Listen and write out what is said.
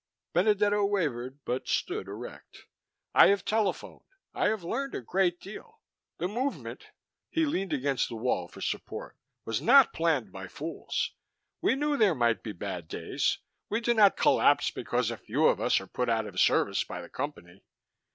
Benedetto wavered, but stood erect. "I have telephoned. I have learned a great deal. The movement " he leaned against the wall for support "was not planned by fools. We knew there might be bad days; we do not collapse because a few of us are put out of service by the Company.